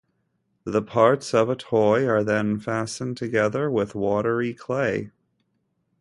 The parts of a toy are then fastened together with watery clay.